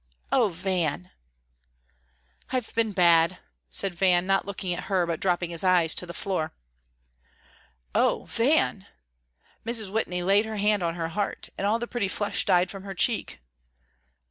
"Oh, Van!" "I've been bad," said Van, not looking at her, but dropping his eyes to the floor. "Oh, Van!" Mrs. Whitney laid her hand on her heart, and all the pretty flush died from her cheek.